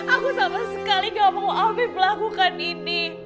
aku sama sekali gak mau habib melakukan ini